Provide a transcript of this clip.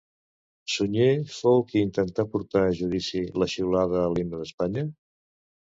Sunyer fou qui intentà portar a judici la xiulada a l'himne d'Espanya?